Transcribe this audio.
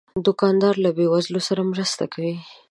دوکاندار له بې وزلو سره مرسته کوي.